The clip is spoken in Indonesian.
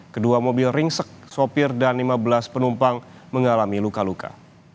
kedua mobil ringsek sopir dan lima belas penumpang mengalami luka luka